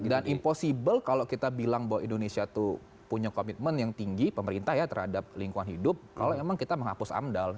dan impossible kalau kita bilang bahwa indonesia tuh punya komitmen yang tinggi pemerintah ya terhadap lingkungan hidup kalau memang kita menghapus amdal